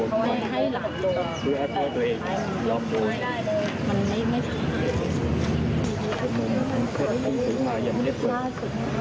ยังไม่เปิดทายเลยสุดท้ายก็ทำไมกลัวต้องการล้างทาง